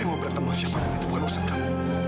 saya mau bertemu siapa siapa itu bukan urusan kamu